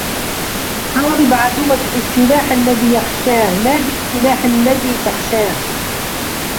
حارب عدوك بالسلاح الذي يخشاه، لا بالسلاح الذي تخشاه.